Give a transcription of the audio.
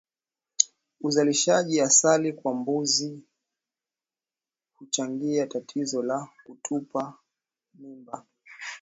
Uzalishaji asili kwa mbuzi huchangia tatizo la kutupa mimba